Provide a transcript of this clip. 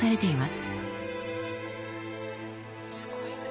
すごいな。